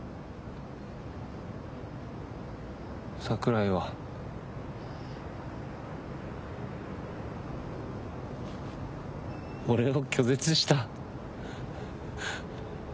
桜井は俺を拒絶した。